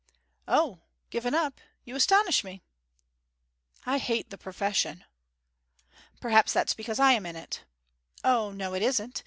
'O given up? You astonish me.' 'I hate the profession.' 'Perhaps that's because I am in it.' 'O no, it isn't.